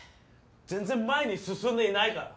全然前に進んでいないから。